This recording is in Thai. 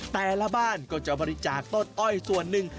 แต่ละบ้านก็จะบริจาคต้นอ้อยส่วนหนึ่ง